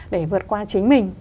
để vượt qua chính mình